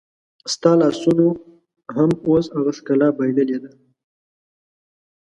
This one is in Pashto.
ستا لاسونو هم اوس هغه ښکلا بایللې ده